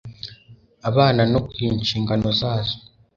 abana no ku nshingano zazo